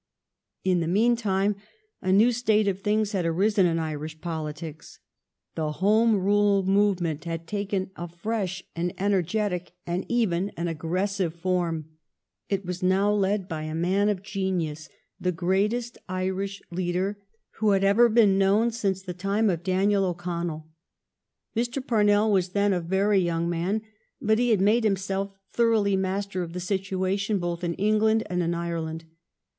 In the meantime a new state of things had arisen in Irish politics. The Home Rule move ment had taken a fresh, an energetic, and even an aggressive form. It was now led by a man of genius, the greatest Irish leader who had ever 340 THE STORY OF GLADSTONE'S LIFE been known ^ince the tiniL of l!)aniel O'Connell. Mr. Parnell was then a very young man, but he had made himself thoroughly master o£ the situa tion both in England and in Ireland.